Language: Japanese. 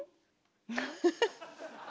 フフフッ。